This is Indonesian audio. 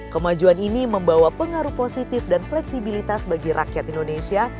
kemajuan ini membawa pengaruh positif dan fleksibilitas bagi rakyat indonesia